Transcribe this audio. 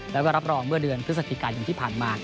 แล้วก็รับรองเมื่อเดือนเพื่อสถิกันอย่างที่ผ่านมา